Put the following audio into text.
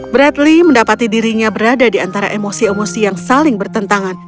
bradley mendapati dirinya berada di antara emosi emosi yang saling bertentangan